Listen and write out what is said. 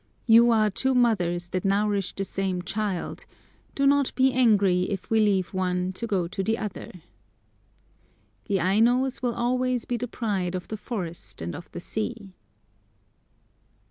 You are two mothers that nourish the same child; do not be angry if we leave one to go to the other. "The Ainos will always be the pride of the forest and of the sea."